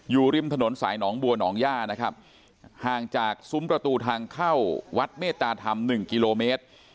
อยู่ริมถนนสายหนองบัวหนองย่านะครับห่างจากซุ้มประตูทางเข้าวัดเมตตาธรรม๑กิโลเมตร